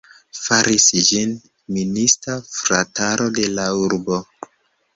Faris ĝin minista frataro de la urbo.